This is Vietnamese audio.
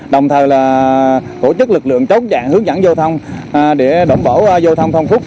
đồng thời là tổ chức lực lượng chống dạng hướng dẫn giao thông để đổng bỏ giao thông thông phúc